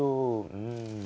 うん。